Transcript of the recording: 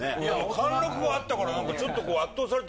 貫禄もあったから、なんかちょっと圧倒された。